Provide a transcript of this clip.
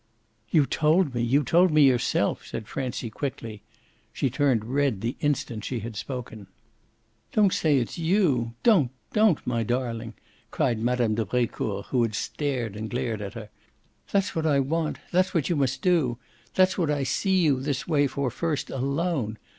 "You told me, you told me yourself," said Francie quickly. She turned red the instant she had spoken. "Don't say it's YOU don't, don't, my darling!" cried Mme. de Brecourt, who had stared and glared at her. "That's what I want, that's what you must do, that's what I see you this way for first alone.